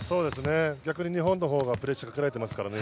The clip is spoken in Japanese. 逆に日本のほうがプレッシャーかけられていますからね。